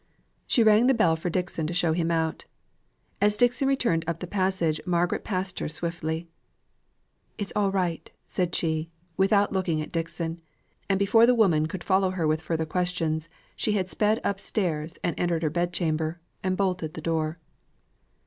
She rang the bell for Dixon to show him out. As Dixon returned up the passage Margaret passed her swiftly. "It is all right!" said she, without looking at Dixon; and before the woman could follow her with further questions she had sped upstairs, and entered her bed chamber, and bolted her door.